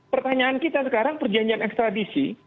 pertanyaan kita sekarang perjanjian ekstradisi